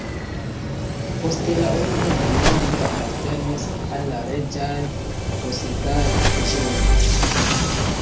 Poste la urbo denove apartenis al la reĝaj posedaĵoj.